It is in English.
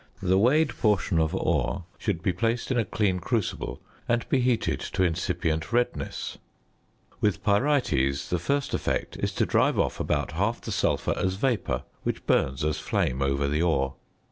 The weighed portion of ore should be placed in a clean crucible and be heated to incipient redness: with pyrites the first effect is to drive off about half the sulphur as vapour which burns as flame over the ore.